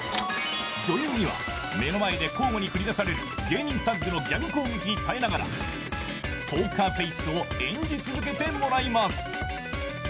女優には目の前で交互に繰り出される芸人タッグのギャグ攻撃に耐えながらポーカーフェースを演じ続けてもらいます。